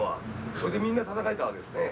それでみんなたたかれたわけですね。